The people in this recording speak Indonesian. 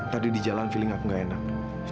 tadi di jalan feeling aku gak enak